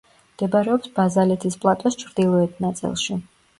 მდებარეობს ბაზალეთის პლატოს ჩრდილოეთ ნაწილში.